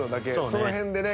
その辺でね